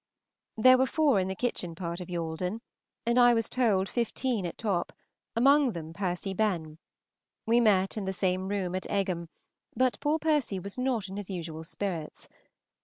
There were four in the kitchen part of Yalden, and I was told fifteen at top, among them Percy Benn. We met in the same room at Egham, but poor Percy was not in his usual spirits.